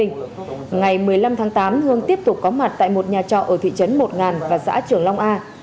ngày một mươi năm tháng tám hương tiếp tục có mặt tại một nhà trọ ở thị trấn một ngàn và xã trường long a